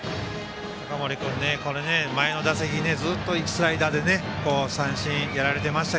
高森君、前の打席ずっとスライダーで三振やられてました